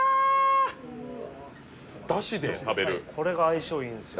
これが相性いいんですよ